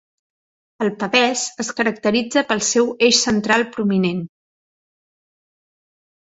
El pavès es caracteritza pel seu eix central prominent.